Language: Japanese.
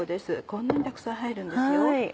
こんなにたくさん入るんですよ。